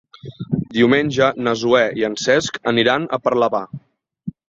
Diumenge na Zoè i en Cesc aniran a Parlavà.